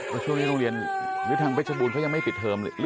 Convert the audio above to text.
ก็ช่วงที่โรงเรียนหรือทางเวชบูรณ์เขายังไม่ปิดเทอมเลย